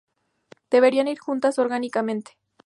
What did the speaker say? Deberían ir juntas orgánicamente.